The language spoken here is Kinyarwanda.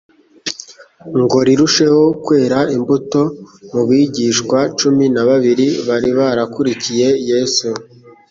ngo rirusheho kwera imbuto.» Mu bigishwa cumi na babiri bari barakurikiye Yesu,